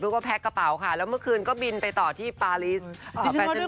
เพราะว่าแพ็คกระเป๋าค่ะแล้วเมื่อคืนก็บินไปต่อที่ปารีซแฟชั่นวีคนั่นเองค่ะ